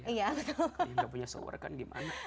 kalau yang nggak punya shower kan gimana